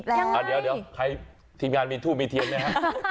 อ่าเดี๋ยวเดี๋ยวทีมงานมีทูมีเทียมไหมฮะ